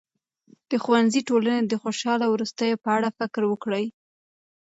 د ښوونځي ټولنې ته د خوشاله وروستیو په اړه فکر وکړي.